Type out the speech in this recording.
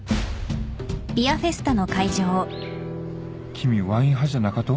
君ワイン派じゃなかと？